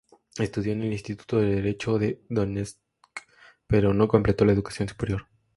Estudió en el Instituto de Derecho de Donetsk, pero no completó la educación superior.